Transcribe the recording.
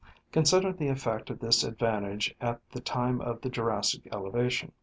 Consider the effect of this advantage at the time of the Jurassic elevation.